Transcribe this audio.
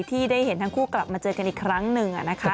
ที่ได้เห็นทั้งคู่กลับมาเจอกันอีกครั้งหนึ่ง